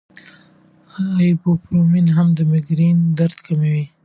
ایبوپروفین هم د مېګرین درد کموي.